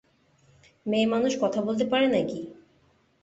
মেয়েমানুষ কথা বলতে পারে নাকি!